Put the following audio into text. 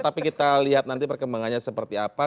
tapi kita lihat nanti perkembangannya seperti apa